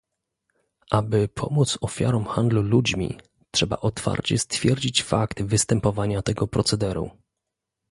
Aby pomóc ofiarom handlu ludźmi, trzeba otwarcie stwierdzić fakt występowania tego procederu